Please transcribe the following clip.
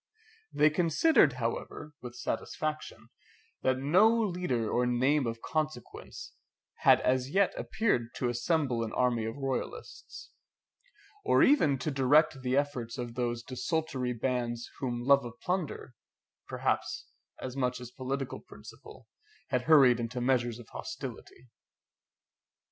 They considered, however, with satisfaction, that no leader or name of consequence had as yet appeared to assemble an army of royalists, or even to direct the efforts of those desultory bands, whom love of plunder, perhaps, as much as political principle, had hurried into measures of hostility.